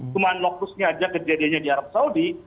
cuma lokusnya aja kejadiannya di arab saudi